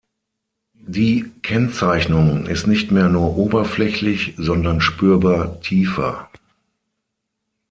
Die Kennzeichnung ist nicht mehr nur oberflächlich, sondern spürbar tiefer.